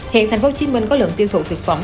hiện thành phố hồ chí minh có lượng tiêu thụ thực phẩm